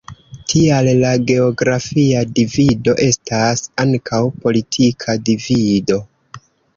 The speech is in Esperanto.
Tial la geografia divido estas ankaŭ politika divido.